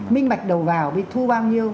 minh mạch đầu vào vì thu bao nhiêu